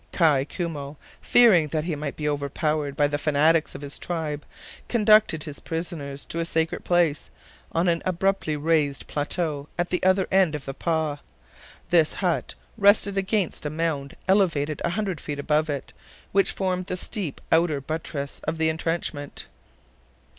Kai Koumou, fearing that he might be overpowered by the fanatics of his tribe, conducted his prisoners to a sacred place, on an abruptly raised plateau at the other end of the "pah." This hut rested against a mound elevated a hundred feet above it, which formed the steep outer buttress of the entrenchment.